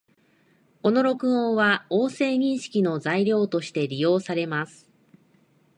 この録音は、音声認識の材料として利用されます